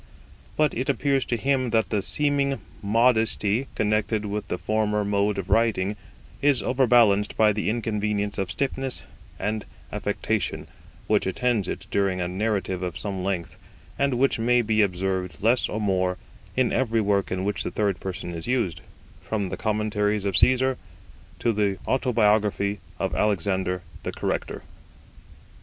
But it appears to him that the seeming modesty connected with the former mode of writing is overbalanced by the inconvenience of stiffness and affectation which attends it during a narrative of some length, and which may be observed less or more in every work in which the third person is used, from the Commentaries of Caesar to the Autobiography of Alexander the Corrector.